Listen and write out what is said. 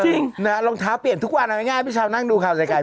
จริงลองเท้าเปลี่ยนทุกวันน่ะง่ายพี่ชาวนั่งดูเขาใส่ไก่